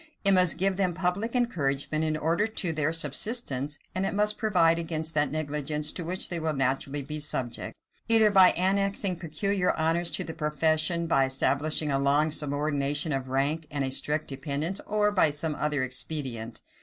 It must give them public encouragement in order to their subsistence; and it must provide against that negligence to which they will naturally be subject, either by annexing peculiar honors to the profession, by establishing a long subordination of ranks and a strict dependence, or by some other expedient.